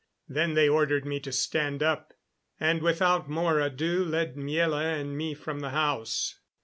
Then they ordered me to stand up, and without more ado led Miela and me from the house.